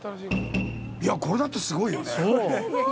これだってすごいよね。